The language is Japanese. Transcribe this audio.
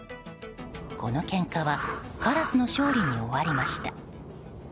このけんかはカラスの勝利に終わりました。